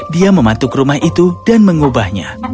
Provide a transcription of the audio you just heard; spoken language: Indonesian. dia mematuk rumah itu dan mengubahnya